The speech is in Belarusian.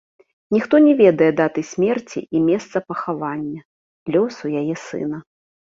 Ніхто не ведае даты смерці і месца пахавання, лёсу яе сына.